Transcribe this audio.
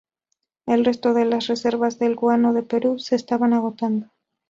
El resto de las reservas de guano de Perú se estaba agotando.